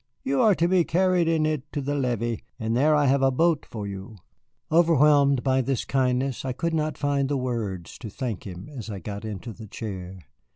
You are to be carried in it to the levee, and there I have a boat for you." Overwhelmed by this kindness, I could not find words to thank him as I got into the chair.